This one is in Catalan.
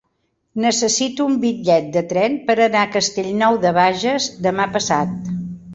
Necessito un bitllet de tren per anar a Castellnou de Bages demà passat.